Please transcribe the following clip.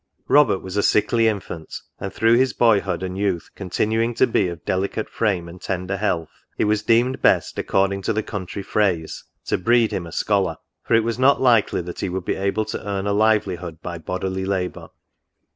Robert was a sickly infant ; and, through his boyhood and youth continuing to be of delicate frame and tender health, it was deemed best, according to the country phrase, to breed him a scholar; for it was not likely that he would be able to earn a livelihood by bodily labour.